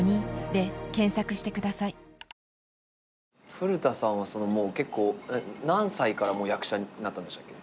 古田さんは何歳から役者になったんでしたっけ？